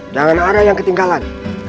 jangan ada yang ketinggalan